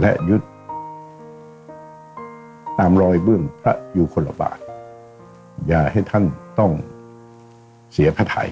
และยึดตามรอยเบื้องพระอยู่คนละบาทอย่าให้ท่านต้องเสียพระไทย